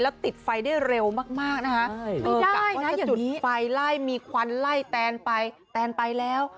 และติดไฟได้เร็วมากนะฮะไม่ได้นะอย่างนี้จุดไฟไล่มีควันไล่แตนไปแตนไปแล้ว